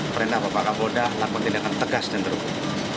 perintah bapak kapolda lakukan tindakan tegas dan terhubung